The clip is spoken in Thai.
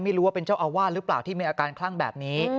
ไม่รู้ว่าเป็นเจ้าอาวาสหรือเปล่าที่มีอาการคลั่งแบบนี้